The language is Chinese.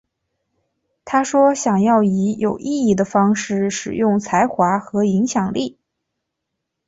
她说想要以有意义的方式使用才华和影响力。